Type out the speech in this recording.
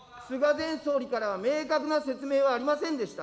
前総理からは明確な説明はありませんでした。